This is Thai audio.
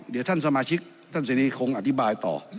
เดี๋ยวท่านสมาชิกท่านเสรีคงอธิบายต่อ